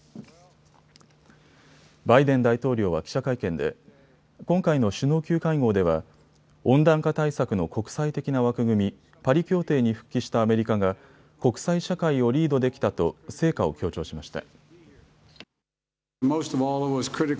バイデン大統領は記者会見で今回の首脳級会合では温暖化対策の国際的な枠組み、パリ協定に復帰したアメリカが国際社会をリードできたと成果を強調しました。